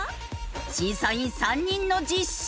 審査員３人の実食！